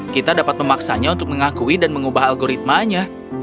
kita dapat memaksanya untuk mengakui dan mengubah algoritmanya